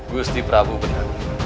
gusti prabu benar